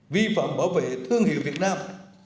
vi phạm bảo vệ thương hiệu việt nam